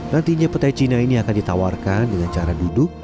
nantinya petai cina ini akan ditawarkan dengan cara duduk